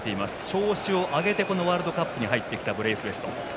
調子を上げてワールドカップに入ってきたブレイスウェイト。